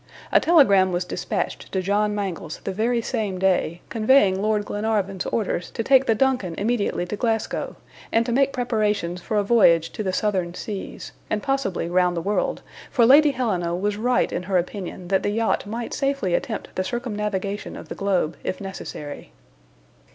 A telegram was dispatched to John Mangles the very same day, conveying Lord Glenarvan's orders to take the DUNCAN immediately to Glasgow, and to make preparations for a voyage to the Southern Seas, and possibly round the world, for Lady Helena was right in her opinion that the yacht might safely attempt the circumnavigation of the globe, if necessary.